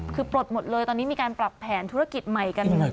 คือปลดหมดเลยตอนนี้มีการปรับแผนธุรกิจใหม่กัน